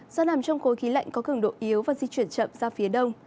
do nằm trong khối khí lạnh có cường độ yếu và di chuyển chậm ra phía đông